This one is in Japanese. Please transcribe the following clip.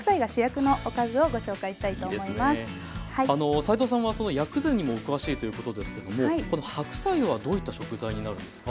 齋藤さんは薬膳にもお詳しいということですけどもこの白菜はどういった食材になるんですか？